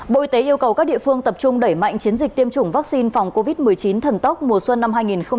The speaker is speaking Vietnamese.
bộ y tế yêu cầu các địa phương tập trung đẩy mạnh chiến dịch tiêm chủng vaccine phòng covid một mươi chín thần tốc mùa xuân năm hai nghìn hai mươi